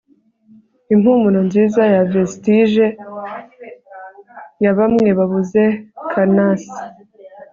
Impumuro nziza ya vestige ya bamwe babuze karnasi